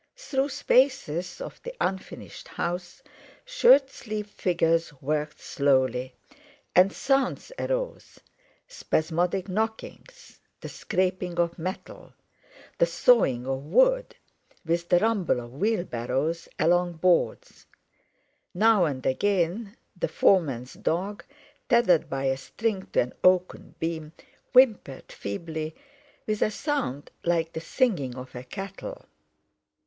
Through spaces of the unfinished house, shirt sleeved figures worked slowly, and sounds arose—spasmodic knockings, the scraping of metal, the sawing of wood, with the rumble of wheelbarrows along boards; now and again the foreman's dog, tethered by a string to an oaken beam, whimpered feebly, with a sound like the singing of a kettle.